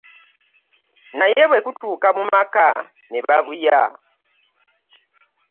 Naye bwe kutuuka mu maka ne bavuya.